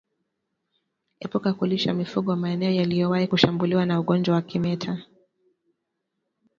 Epuka kulisha mifugo maeneo yaliyowahi kushambuliwa na ugonjwa wa kimeta